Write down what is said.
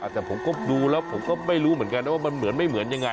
แต่ผมก็ดูแล้วผมก็ไม่รู้เหมือนกันนะว่ามันเหมือนไม่เหมือนยังไง